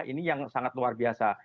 ini yang sangat luar biasa